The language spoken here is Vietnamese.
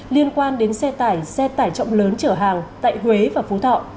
liên quan đến xe tải xe tải trọng lớn chở hàng tại huế và phú thọ